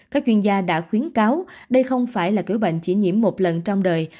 các chuyên gia đã khuyến cáo đây không phải là kiểu bệnh chỉ nhiễm một lần trong đời